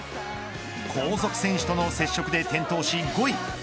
後続選手との接触で転倒し５位。